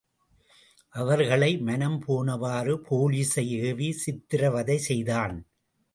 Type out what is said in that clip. அவர்களை மனம் போனவாறு போலீசை ஏவி சித்ரவதை செய்தான்!